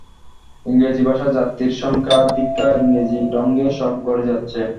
ইংরেজীভাষী যাত্রীর সংখ্যাধিক্যে ইংরাজী ঢঙে সব গড়ে যাচ্চে।